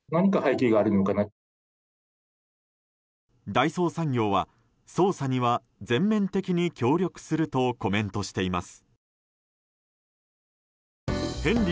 大創産業は捜査には全面的に協力するとコメントしています。